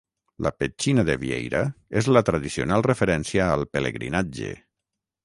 La petxina de vieira és la tradicional referència al pelegrinatge.